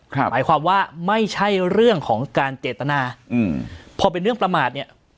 หมายความว่าไม่ใช่เรื่องของการเจตนาอืมพอเป็นเรื่องประมาทเนี่ย